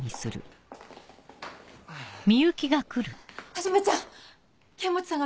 はじめちゃん！